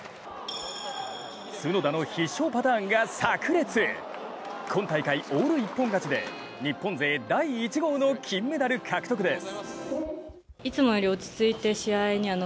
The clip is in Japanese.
角田の必勝パターンがさく裂今大会オール一本勝ちで日本勢第１号の金メダル獲得です。